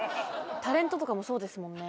タレントとかもそうですもんね。